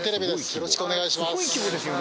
よろしくお願いします。